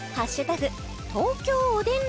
東京おでん